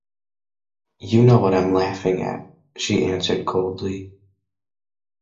"You know what I'm laughing at," she answered coldly.